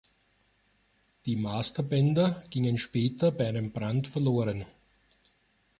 Die Masterbänder gingen später bei einem Brand verloren.